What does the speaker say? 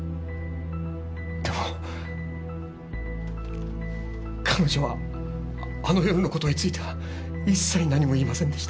でも彼女はあの夜の事については一切何も言いませんでした。